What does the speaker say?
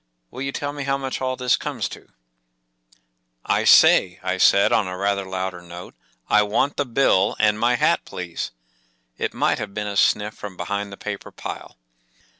“Will you tell me how much all this comes to? .,*£* I say,” I said, on a rather louder note, 41 1 want the bill ; and my hat, please,” It might have been a sniff from behind the paper pile.